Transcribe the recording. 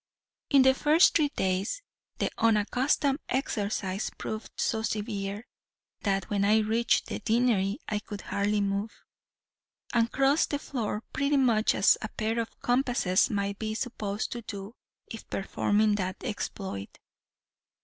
In the first three days the unaccustomed exercise proved so severe, that when I reached the deanery I could hardly move, and crossed the floor pretty much as a pair of compasses might be supposed to do if performing that exploit.